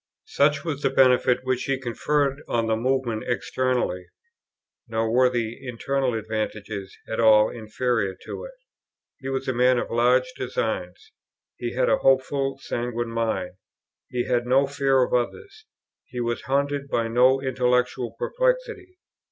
Such was the benefit which he conferred on the Movement externally; nor were the internal advantages at all inferior to it. He was a man of large designs; he had a hopeful, sanguine mind; he had no fear of others; he was haunted by no intellectual perplexities.